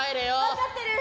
分かってる。